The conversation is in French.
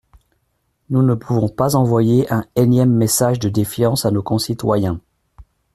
Nous ne pouvons pas envoyer un énième message de défiance à nos concitoyens.